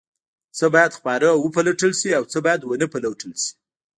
څه باید خپاره او وپلټل شي او څه باید ونه پلټل شي؟